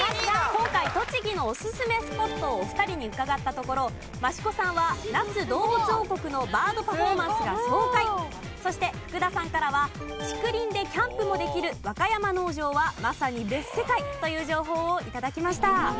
今回栃木のおすすめスポットをお二人に伺ったところ益子さんは那須どうぶつ王国のバードパフォーマンスが爽快そして福田さんからは竹林でキャンプもできる若山農場はまさに別世界という情報を頂きました。